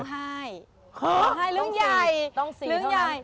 ถ้าห้ายแลเปิดขึ้นใหญ่ต้อง๔เท่าไหน